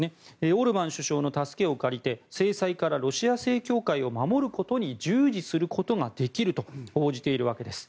オルバン首相の助けを借りて制裁からロシア正教会を守ることに従事することができると報じているわけです。